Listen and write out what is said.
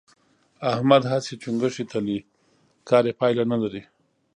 احمد هسې چنګوښې تلي؛ کار يې پايله نه لري.